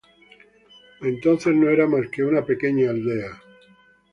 Entonces no era más que una pequeña aldea.